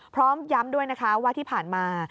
พร้อมย้ำด้วยนะคะว่าที่ผ่านมา